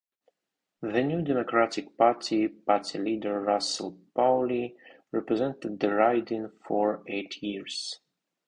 The New Democratic Party party leader Russell Paulley represented the riding for eight years.